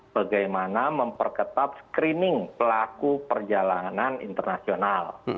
bagaimana memperketat screening pelaku perjalanan internasional